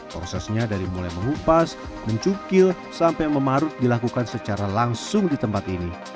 prosesnya dari mulai mengupas mencukil sampai memarut dilakukan secara langsung di tempat ini